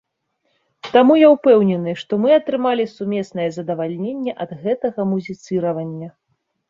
Таму я ўпэўнены, што мы атрымалі сумеснае задавальненне ад гэтага музіцыравання.